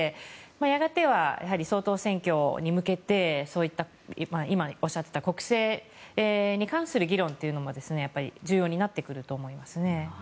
やがては総統選挙に向けてそういった今おっしゃっていた国政に関する議論というのも重要になってくると思いますね。